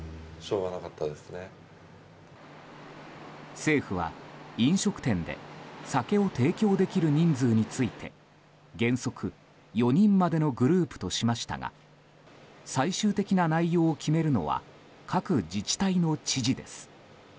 政府は、飲食店で酒を提供できる人数について原則４人までのグループとしましたが最終的な内容を決めるのは各自治体の知事です。